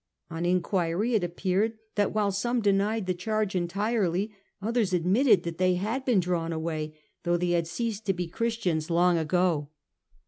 On enquiry it appeared that while some denied the charge entirely, others admitted that they had been drawn away, though they had ceased to be Christians long ago.